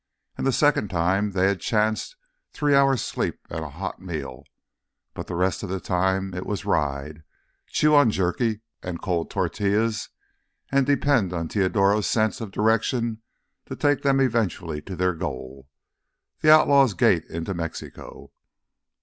And the second time they had chanced three hours' sleep and a hot meal. But the rest of the time it was ride, chew on jerky and cold tortillas, and depend on Teodoro's sense of direction to take them eventually to their goal—the outlaws' gate into Mexico.